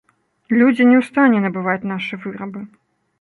Людзі не ў стане набываць нашы вырабы.